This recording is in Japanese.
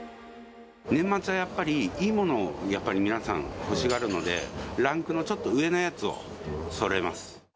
年末はやっぱり、いいものをやっぱり皆さん、欲しがるので、ランクのちょっと上のやつをそろえます。